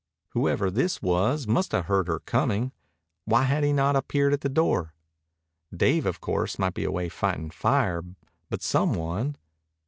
Whoever this was must have heard her coming. Why had he not appeared at the door? Dave, of course, might be away fighting fire, but someone....